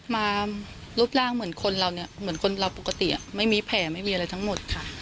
มารูปร่างเหมือนคนเราเนี่ยเหมือนคนเราปกติไม่มีแผลไม่มีอะไรทั้งหมดค่ะ